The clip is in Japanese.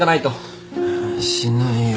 しないよ。